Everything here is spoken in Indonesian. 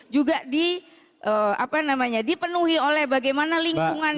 juga dipenuhi oleh bagaimana lingkungan